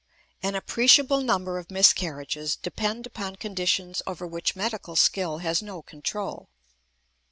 An appreciable number of miscarriages depend upon conditions over which medical skill has no control.